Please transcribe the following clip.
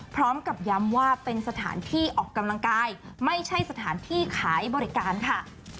พร้อมกับย้ำว่าเป็นสถานที่ออกกำลังกายไม่ใช่สถานที่ขายบริการค่ะ